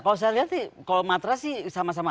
kalau saya lihat sih kalau matra sih sama sama